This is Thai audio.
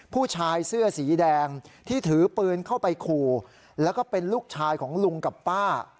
ผู้ชายเสื้อสีแดงที่ถือปืนเข้าไปขู่แล้วก็เป็นลูกชายของลุงกับป้า